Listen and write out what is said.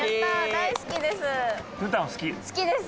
大好きです！